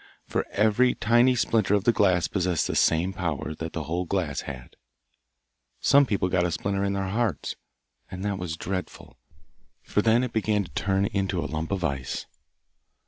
For every tiny splinter of the glass possessed the same power that the whole glass had. Some people got a splinter in their hearts, and that was dreadful, for then it began to turn into a lump of ice.